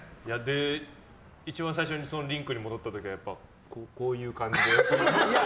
一番最初にリンクに戻った時はこういう感じで？